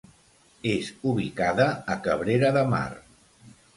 És ubicada a Cabrera de Mar.